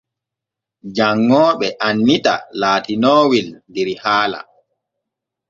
Janŋooɓe annita laatinoowel der haala.